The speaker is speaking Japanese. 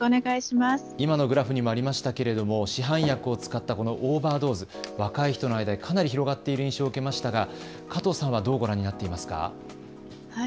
今のグラフにもありましたけれども市販薬を使ったオーバードーズ、若い人の間でかなり広がっている印象を受けましたが、加藤さんはどうご覧になっていますか。